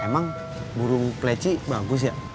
emang burung peleci bagus ya